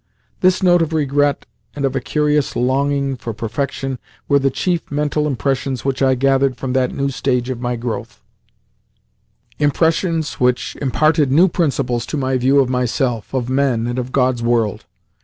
This note of regret and of a curious longing for perfection were the chief mental impressions which I gathered from that new stage of my growth impressions which imparted new principles to my view of myself, of men, and of God's world.